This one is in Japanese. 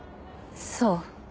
そう。